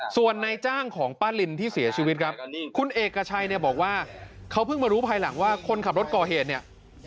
ส่วนในจ้างของป้าลินที่เสียชีวิตครับคุณเอกชัยเนี่ยบอกว่าเขาเพิ่งมารู้ภายหลังว่าคนขับรถก่อเหตุเนี่ย